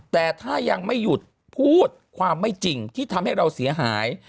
แต่ถ้ายังไม่หยุดพูดความไม่จริงที่ทำให้เราเสียหาย